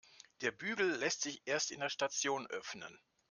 Der Bügel lässt sich erst in der Station öffnen.